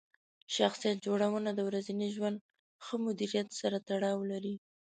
شخصیت جوړونه د ورځني ژوند ښه مدیریت سره تړاو لري.